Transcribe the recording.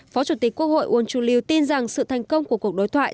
phó chủ tịch quốc hội uông chu lưu tin rằng sự thành công của cuộc đối thoại